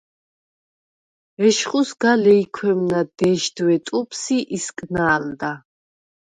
ეშხუ სგა ლეჲქვემნა დეშდვე ტუფს ი ისკნა̄ლდა.